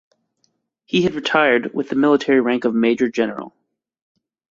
He had retired with the military rank of major general.